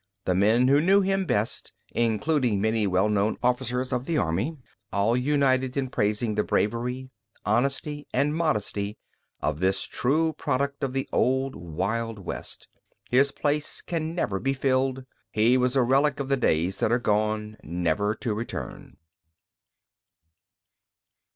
The men who knew him best, including many well known officers of the army, all united in praising the bravery, honesty, and modesty of this true product of the old wild West. His place can never be filled; he was a relic of the days that are gone, never to return.